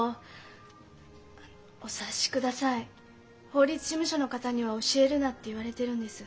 「法律事務所の方には教えるな」って言われてるんです。